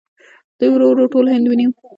دوی ورو ورو ټول هند ونیو.